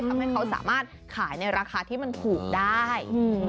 ทำให้เขาสามารถขายในราคาที่มันถูกได้